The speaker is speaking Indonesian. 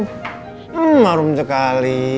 hmmm harum sekali